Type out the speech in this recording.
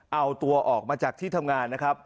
เอาตัวออกมาจากที่ทำงาน